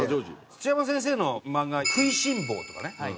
土山先生の漫画『喰いしん坊！』とかね。